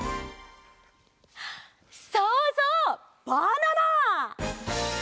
そうそうバナナ！